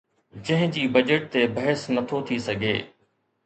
جنهن جي بجيٽ تي بحث نه ٿو ٿي سگهي